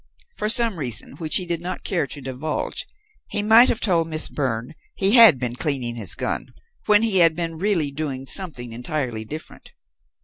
For some reason, which he did not care to divulge, he might have told Miss Byrne he had been cleaning his gun when he had been really doing something entirely different.